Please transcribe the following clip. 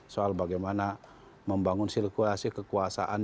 soal bagaimana membangun sirkulasi kekuasaan